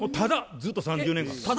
ずっと３０年間。